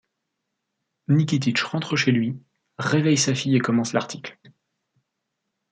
Nikititch rentre chez lui, réveille sa fille et commence l’article.